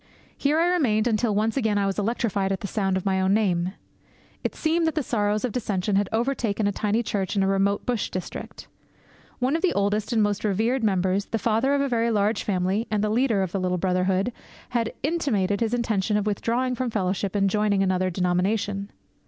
Here I remained until once again I was electrified at the sound of my own name. It seemed that the sorrows of dissension had overtaken a tiny church in a remote bush district. One of the oldest and most revered members, the father of a very large family and the leader of the little brotherhood, had intimated his intention of withdrawing from fellowship and of joining another denomination.